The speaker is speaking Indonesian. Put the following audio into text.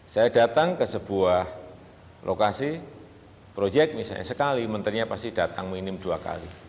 saya datang ke sebuah lokasi proyek misalnya sekali menterinya pasti datang minim dua kali